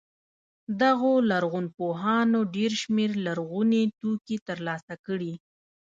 دغو لرغونپوهانو ډېر شمېر لرغوني توکي تر لاسه کړي.